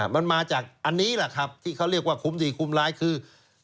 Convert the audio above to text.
มันมาจากอันนี้แหละครับที่เขาเรียกว่าคุ้มดีคุ้มร้ายคือ